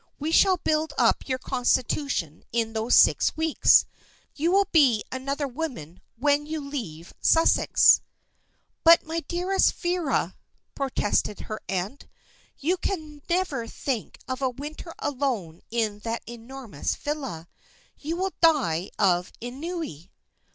We shall build up your constitution in those six weeks. You will be another woman when you leave Sussex." "But, my dearest Vera," protested her aunt, "you can never think of a winter alone in that enormous villa. You will die of ennui."